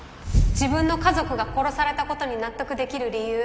自分の家族が殺されたことに納得できる理由。